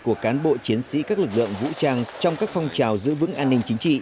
của cán bộ chiến sĩ các lực lượng vũ trang trong các phong trào giữ vững an ninh chính trị